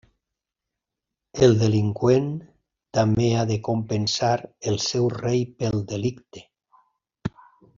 El delinqüent també ha de compensar al seu rei pel delicte.